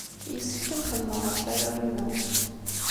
Yessefk ad xemmemeɣ ɣef warraw-inu.